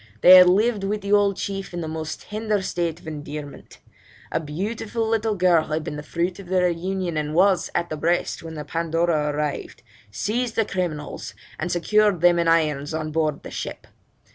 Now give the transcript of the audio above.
They had lived with the old chief in the most tender state of endearment; a beautiful little girl had been the fruit of their union, and was at the breast when the Pandora arrived, seized the criminals, and secured them in irons on board the ship.